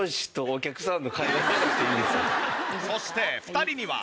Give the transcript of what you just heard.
そして２人には。